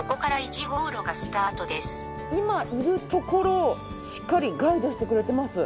今いる所をしっかりガイドしてくれてます。